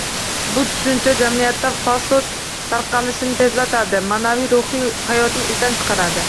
Bu tushuncha jamiyatda fasod tarqalishini tezlatadi, ma’naviy- ruhiy hayotni izdan chiqaradi.